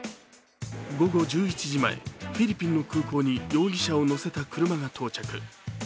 午後１１時前、フィリピンの空港に容疑者を乗せた車が到着。